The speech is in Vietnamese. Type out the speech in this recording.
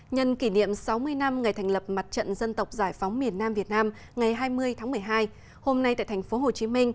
nhân kỷ niệm sáu mươi năm ngày thành lập mặt trận dân tộc giải phóng miền nam việt nam ngày hai mươi tháng một mươi hai hôm nay tại tp hcm